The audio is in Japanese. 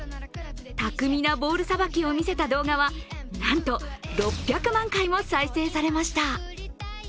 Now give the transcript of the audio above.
巧みなボールさばきを見せた動画はなんと６００万回も再生されました